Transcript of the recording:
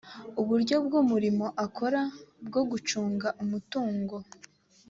uburyo bw’umurimo akora bwo gucunga umutungo